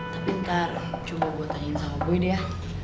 tapi ntar coba gue tanyain sama boy deh ya